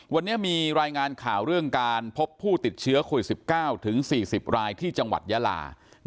วันนี้มีรายงานข่าวเรื่องการพบผู้ติดเชื้อโควิด๑๙ถึง๔๐รายที่จังหวัดยาลา